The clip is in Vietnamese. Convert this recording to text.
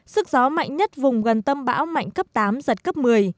sức gió mạnh nhất vùng gần tâm bão mạnh cấp tám giật cấp một mươi